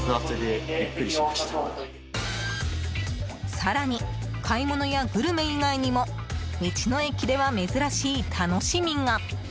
更に、買い物やグルメ以外にも道の駅では珍しい楽しみが。